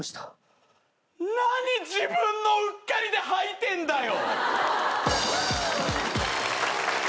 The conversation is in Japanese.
何自分のうっかりで吐いてんだよ！